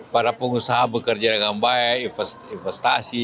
para pengusaha bekerja dengan baik investasi